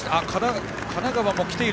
神奈川も来ている。